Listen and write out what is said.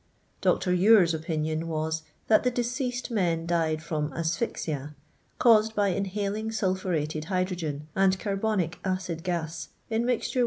'* Dr. Ure's opinion was, that the deceased men died from asphixia, caused by inhaling sulphuretted liydrogen and carbonic acid gas iu mixture vit!